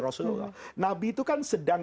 rasulullah nabi itu kan sedang